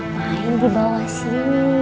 main di bawah sini